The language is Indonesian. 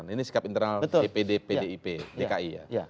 ini sikap internal dpd pdip dki ya